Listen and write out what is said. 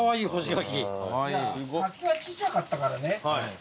柿が小ちゃかったからね。